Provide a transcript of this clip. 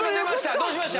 どうしました？